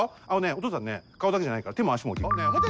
あのねお父さんね顔だけじゃないから手も足も。